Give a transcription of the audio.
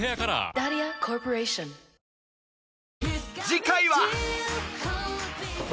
次回は